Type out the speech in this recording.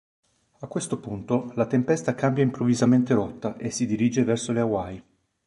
A questo punto, la tempesta cambia improvvisamente rotta e si dirige verso le Hawaii.